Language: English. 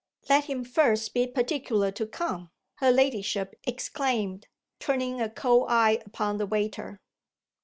"Let him first be particular to come!" her ladyship exclaimed, turning a cold eye upon the waiter.